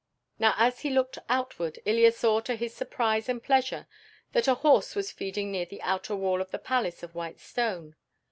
Now as he looked outward, Ilya saw to his surprise and pleasure that a horse was feeding near the outer wall of the palace of white stone.